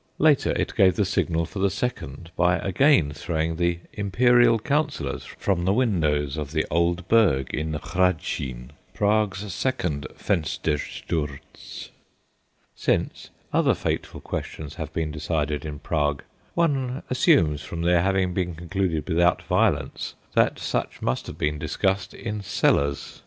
Later, it gave the signal for the second by again throwing the Imperial councillors from the windows of the old Burg in the Hradschin Prague's second "Fenstersturz." Since, other fateful questions have been decide in Prague, one assumes from their having been concluded without violence that such must have been discussed in cellars.